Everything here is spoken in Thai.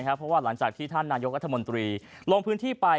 เพราะว่าหลังจากที่ท่านนายกรัฐมนตรีลงพื้นที่ไป